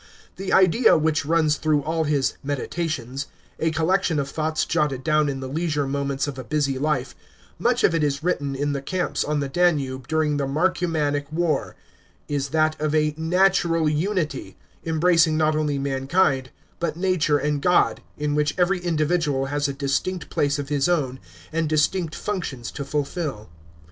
The idea which runs through all his Meditations — a collection of thoughts lotted down in the leisure moments of a busy life, much of it written in the camps on the Danube during the Marcomannic War — is that of a " natural unity," embracing not only mankind, but nature and God, in which every individual has a distinct place of his own, and distinct functions to fulfil.